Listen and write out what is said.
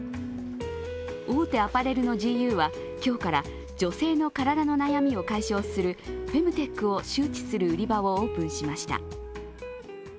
大手アパレルのＧＵは今日から女性の体の悩みを解消するフェムテックを周知する売り場をオープンしました。